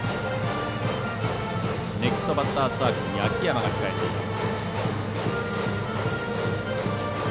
ネクストバッターズサークルに秋山が控えています。